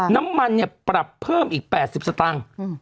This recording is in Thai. น้ำมันเนี้ยปรับเพิ่มอีกแปดสิบสตางค์อืม